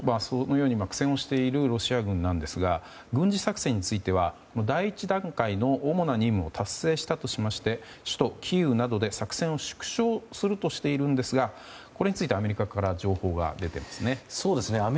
そのように苦戦しているロシア軍なんですが軍事作戦については第１段階の主な任務を達成したとしまして首都キーウなどで作戦を縮小するとしているんですがこれについてアメリカから情報が出ていますね。